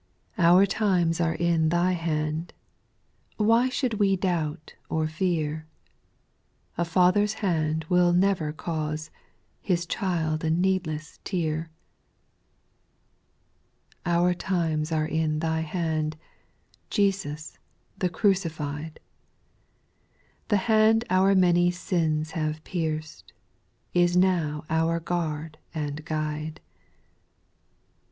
Our times are in Thy hand ; Why should we doubt or fear ? A father's hand will never cause His child a needless tear. < 4. Our times are in Thy hand, Jesus the crucified ; The hand our many sins haye pierc'd, Is now our guard and guide.